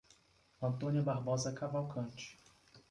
Antônia Barbosa Cavalcante